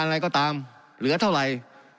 การปรับปรุงทางพื้นฐานสนามบิน